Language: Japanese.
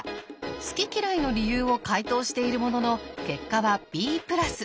好き嫌いの理由を解答しているものの結果はＢプラス。